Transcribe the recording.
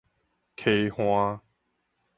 溪岸